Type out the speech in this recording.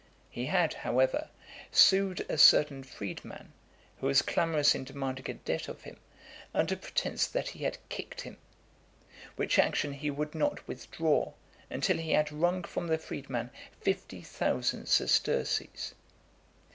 He had, however, sued a certain freedman, who was clamorous in demanding a debt of him, under pretence that he had kicked him; which action he would not withdraw, until he had wrung from the freedman fifty thousand sesterces.